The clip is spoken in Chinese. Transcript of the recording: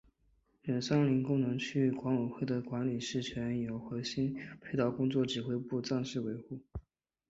原三林功能区域管委会的管理事权由世博核心区配套工作指挥部暂时维持。